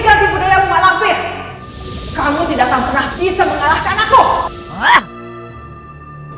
kamu tidak akan pernah bisa mengalahkan aku